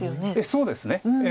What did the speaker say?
そうですね。